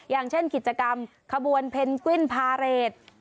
อย่างเช่นกิจกรรมขบวนเพนกวิ้นพาเรท